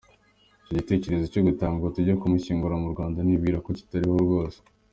Icyo gitekerezo cyo gutaha ngo tujye kumushyingura mu Rwanda nibwira ko kitariho rwose.”